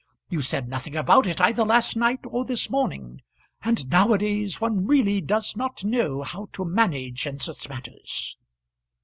You said nothing about it either last night or this morning; and nowadays one really does not know how to manage in such matters."